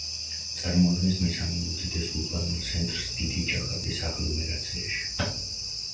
წარმოადგენს მესამე უდიდეს ურბანულ ცენტრს დიდი ჯაკარტის აგლომერაციაში.